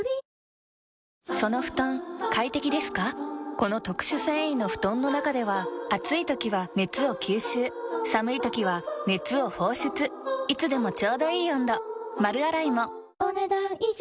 この特殊繊維の布団の中では暑い時は熱を吸収寒い時は熱を放出いつでもちょうどいい温度丸洗いもお、ねだん以上。